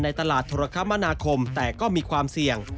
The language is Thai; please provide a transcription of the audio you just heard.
ตลาดโทรคมนาคมแต่ก็มีความเสี่ยง